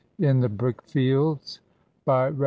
IN THE BRICK FIELDS BY REV.